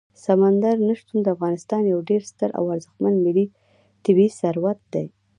سمندر نه شتون د افغانستان یو ډېر ستر او ارزښتمن ملي طبعي ثروت دی.